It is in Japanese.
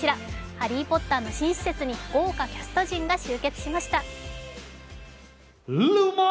「ハリー・ポッター」の新施設に豪華キャスト陣が集結しました。